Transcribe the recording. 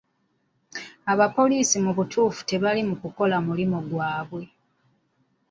Abapoliisi mu butuufu tebali mu kukola mulimu gwabwe.